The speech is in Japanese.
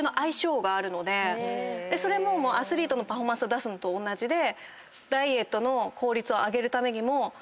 それもアスリートのパフォーマンスを出すのと同じで。